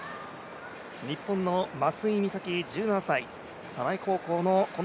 日本の桝井美咲１７歳、高校生。